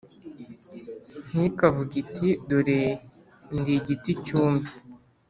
ntikavuge iti dore ndi igiti cyumye